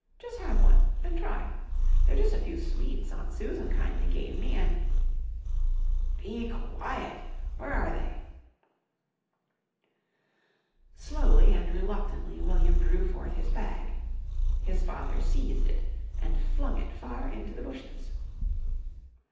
Jus' have one, an' try. They're jus' a few sweets Aunt Susan kin'ly gave me an' " "Be quiet! Where are they?" Slowly and reluctantly William drew forth his bag. His father seized it and flung it far into the bushes.